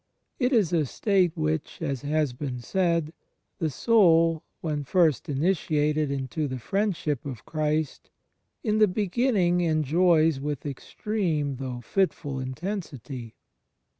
It is a state which, as has been said, the sotd, when first initiated into the Friendship of Christ, in the beginning enjoys with extreme though fitftd intensity.